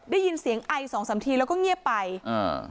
ได้ยินเสียงไอสองสามทีแล้วก็เงียบไปอ่า